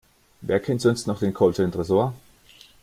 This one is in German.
Wer kennt sonst noch den Code für den Tresor?